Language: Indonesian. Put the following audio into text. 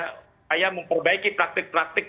kaya memperbaiki praktik praktik